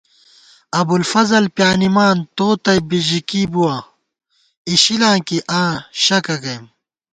ابُوالفضل پیانِمان ، تو تئ بِژِکی بُوَہ اِشِلاں کی آں شکہ گئیم